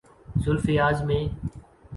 زلف ایاز میں۔